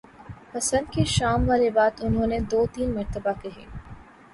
پسند کی شام والی بات انہوں نے دو تین مرتبہ کہی۔